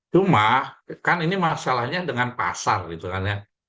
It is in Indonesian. cuma kan ini masalahnya dengan pasar gitu kan ya